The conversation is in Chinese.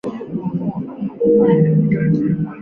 与当时美国驻华公使芮恩施发生严重的外交策略分歧。